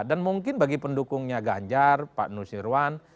dan mungkin bagi pendukungnya ganjar pak nusirwan